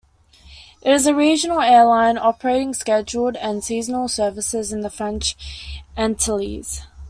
It is a regional airline operating scheduled and seasonal services in the French Antilles.